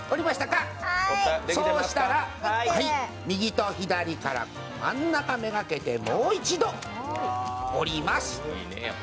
そうしたら右と左から、真ん中目がけてもう一度下ります。